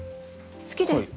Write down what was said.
好きです。